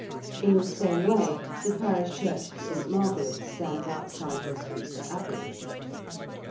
In the same way the parish church of St. Margaret's stands outside Westminster Abbey.